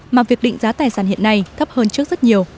mà việc định giá tài sản hiện nay thấp hơn trước rất nhiều